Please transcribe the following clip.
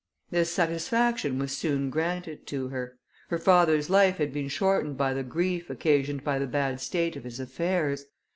This satisfaction was soon granted to her. Her father's life had been shortened by the grief occasioned by the bad state of his affairs.